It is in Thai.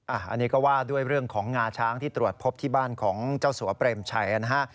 อันนี้ก็ว่าด้วยเรื่องของงาช้างที่ตรวจพบที่บ้านของเจ้าสัวเปรมชัยนะฮะ